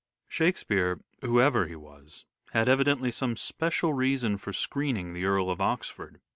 Shakespeare, whoever he was, had evidently some special reason for screening the Earl of Oxford.